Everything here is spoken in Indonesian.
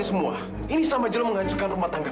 sampai jumpa di video selanjutnya